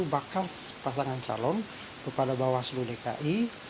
bakal pasangan calon kepada bawah seluruh dki